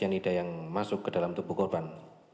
cyanida yang masuk ke dalam tubuh korban